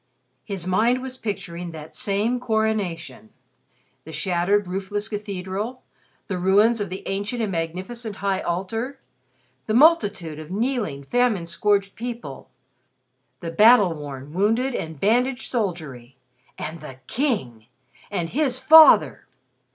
His mind was picturing that same coronation the shattered, roofless cathedral, the ruins of the ancient and magnificent high altar, the multitude of kneeling, famine scourged people, the battle worn, wounded and bandaged soldiery! And the King! And his father!